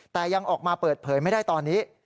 แต่ยังออกมาเปิดเผยไม่ได้ตอนนี้